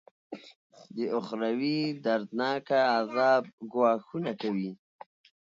د اخروي دردناکه عذاب ګواښونه کوي.